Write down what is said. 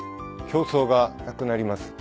競争がなくなります。